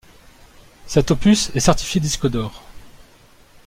Cet opus est certifié disque d'or.